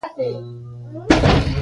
خوښي د ژوند کونجي ده پوه شوې!.